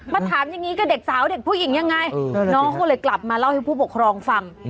มาถามอย่างนี้กับเด็กสาวเด็กผู้หญิงยังไงน้องเขาเลยกลับมาเล่าให้ผู้ปกครองฟัง